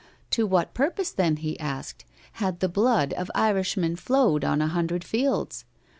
To what purpose, then, he asked, had the blood of Irishmen flowed on a hundred fields?